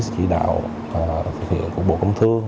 chỉ đạo cục bộ công thương